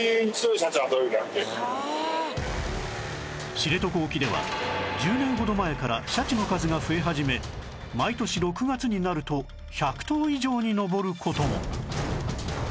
知床沖では１０年ほど前からシャチの数が増え始め毎年６月になると１００頭以上に上る事も